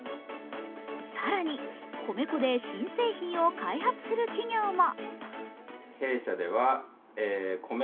更に米粉で新製品を開発する企業も。